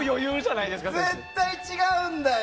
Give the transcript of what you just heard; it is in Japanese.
絶対違うんだよ！